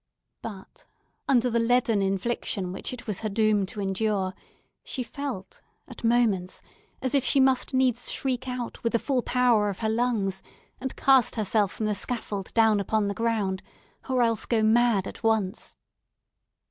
But, under the leaden infliction which it was her doom to endure, she felt, at moments, as if she must needs shriek out with the full power of her lungs, and cast herself from the scaffold down upon the ground, or else go mad at once.